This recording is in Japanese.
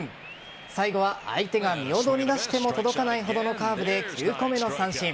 最後は相手が身を乗り出しても届かないほどのカーブで９個目の三振。